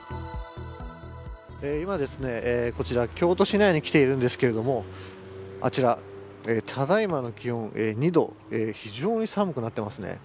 今、こちら京都市内に来ているんですけれどもあちら、ただ今の気温２度非常に寒くなってますね。